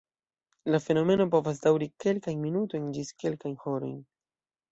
La fenomeno povas daŭri kelkajn minutojn ĝis kelkajn horojn.